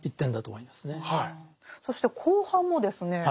そして後半もですね。